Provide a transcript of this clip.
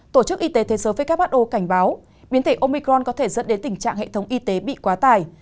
tổ chức y tế thế giới who cảnh báo biến thể omicron có thể dẫn đến tình trạng hệ thống y tế bị quá tải